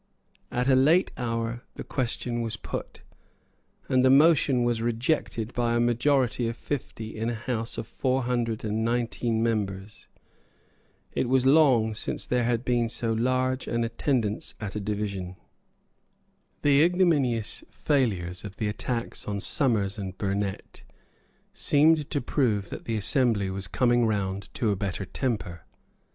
At a late hour the question was put; and the motion was rejected by a majority of fifty in a house of four hundred and nineteen members. It was long since there had been so large an attendance at a division. The ignominious failure of the attacks on Somers and Burnet seemed to prove that the assembly was coming round to a better temper.